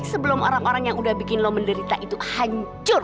sebelum orang orang yang udah bikin lo menderita itu hancur